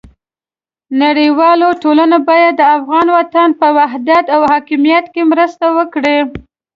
نړیواله ټولنه باید د افغان وطن په وحدت او حاکمیت کې مرسته وکړي.